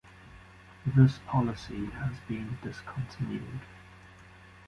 This policy has been discontinued.